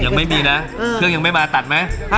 ยังไม่มีนะเครื่องยังไม่มาตัดไหม